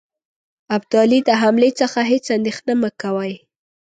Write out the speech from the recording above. ابدالي د حملې څخه هیڅ اندېښنه مه کوی.